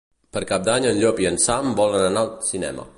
Per Cap d'Any en Llop i en Sam volen anar al cinema.